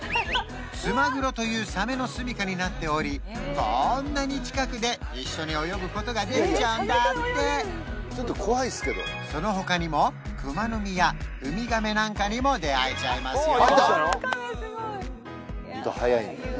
ツマグロというサメのすみかになっておりこんなに近くで一緒に泳ぐことができちゃうんだってその他にもクマノミやウミガメなんかにも出会えちゃいますよ